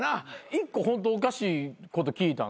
１個ホントおかしいこと聞いたんです。